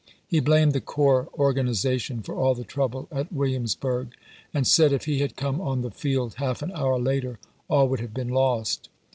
He blamed the corps organ ization for all the trouble at Williamsburg, and said, if he had come on the field half an hour later, all would have been lost.